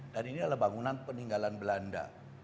dan ini adalah bangunan peninggalan belanda